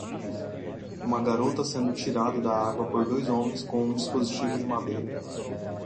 Uma garota sendo tirada da água por dois homens com um dispositivo de madeira